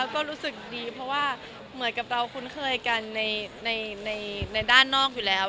ก็รู้สึกดีเพราะว่าเหมือนกับเราคุ้นเคยกันในด้านนอกอยู่แล้ว